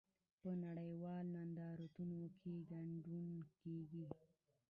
په نړیوالو نندارتونونو کې ګډون کیږي